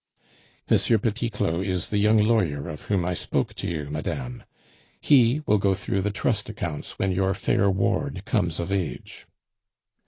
"M. Petit Claud is the young lawyer of whom I spoke to you, madame; he will go through the trust accounts when your fair ward comes of age."